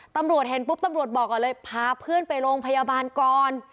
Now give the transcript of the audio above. ตำรวจเห็นปุ๊บตำรวจบอกก่อนเลยพาเพื่อนไปโรงพยาบาลก่อน